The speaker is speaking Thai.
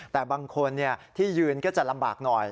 แต่บางคนที่ยืนก็จะลำบากหน่อย